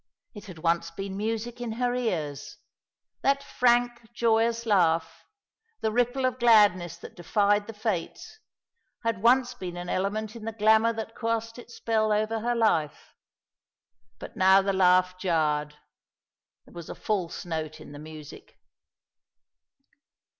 It had once been music in her ears. That frank, joyous laugh, the ripple of gladness that defied the Fates, had once been an element in the glamour that cast its spell over her life. But now the laugh jarred: there was a false note in the music.